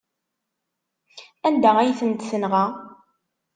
Anda ay tent-tenɣa?